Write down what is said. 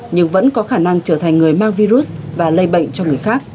nhưng vẫn có khả năng tiêm